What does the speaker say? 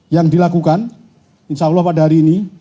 yang dilakukan insya allah pada hari ini